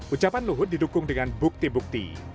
ucapan luhut didukung dengan bukti bukti